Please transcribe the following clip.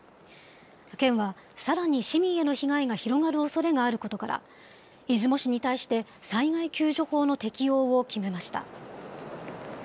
県はさらに市民への被害が広がるおそれがあることから、出雲市に対して、災害救助法の適用を決めました。